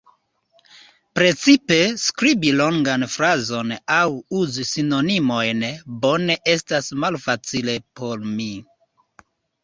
Precipe skribi longan frazon aŭ uzi sinonimojn bone estas malfacile por mi.